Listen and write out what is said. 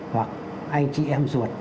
hoặc anh chị em ruột